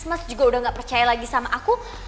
mas juga udah gak percaya lagi sama aku